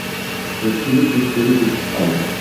Көпчүлүк иштери бүтүп калды.